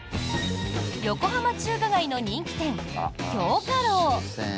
横浜中華街の人気店京華樓。